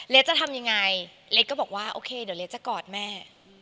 จะทำยังไงเล็กก็บอกว่าโอเคเดี๋ยวเล็กจะกอดแม่